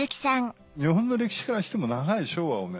日本の歴史からしても長い昭和をね